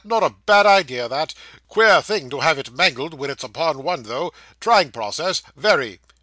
not a bad idea, that queer thing to have it mangled when it's upon one, though trying process very.